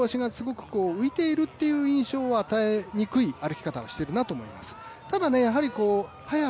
ですから両足がすごく浮いているという印象を与えにくい歩き方をしているなと思います。